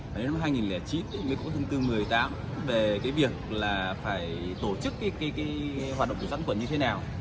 và đến năm hai nghìn chín thì mới có thông tư một mươi tám về việc phải tổ chức hoạt động của sản khuẩn như thế nào